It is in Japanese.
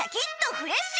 フレッシュ！